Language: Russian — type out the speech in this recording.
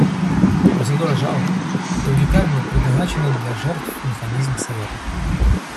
Процедура жалоб — это уникальный предназначенный для жертв механизм Совета.